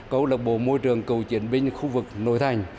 câu lạc bộ môi trường cựu chiến binh khu vực nội thành